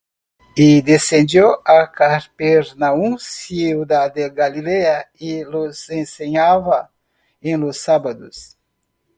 Y descendió á Capernaum, ciudad de Galilea. Y los enseñaba en los sábados.